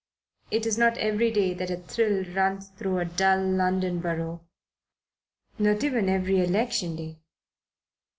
It is not every day that a thrill runs through a dull London borough, not even every election day.